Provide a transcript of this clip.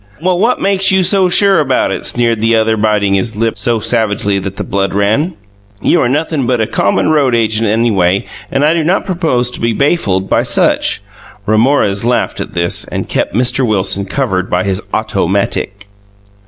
Well what makes you so sure about it sneered the other bitting his lip so savageley that the blood ran. You are nothing but a common Roadagent any way and I do not propose to be bafled by such, Ramorez laughed at this and kep Mr. Wilson covred by his ottomatick.